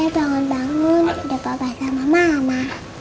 eh bangun bangun dari papa sama mama